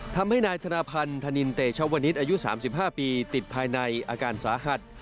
ทำให้นายธนพันธนินเตชวนิษฐ์อายุ๓๕ปีติดภายในอาการสาหัส